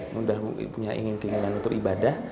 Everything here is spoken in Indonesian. sudah punya ingin keinginan untuk ibadah